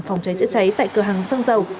phòng trái chữa trái tại cửa hàng xăng dầu